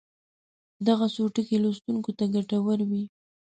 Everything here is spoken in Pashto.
دغه څو ټکي لوستونکو ته ګټورې وي.